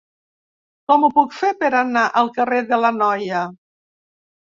Com ho puc fer per anar al carrer de l'Anoia?